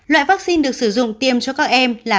loại vaccine được sử dụng tiêm cho các em là